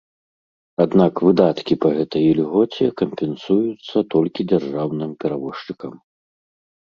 Аднак выдаткі па гэтай ільгоце кампенсуюцца толькі дзяржаўным перавозчыкам.